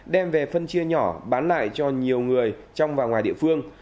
đem về phân chia nhỏ bán lại cho nhiều người trong và ngoài địa phương